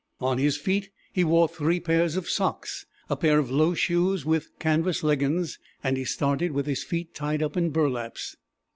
On his feet he wore three pairs of socks, a pair of low shoes with canvas leggins, and he started with his feet tied up in burlaps.